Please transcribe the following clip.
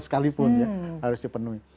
sekalipun ya harus dipenuhi